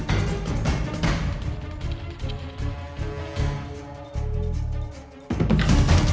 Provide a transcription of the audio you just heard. ครับ